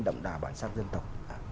đậm đà bản sắc dân tộc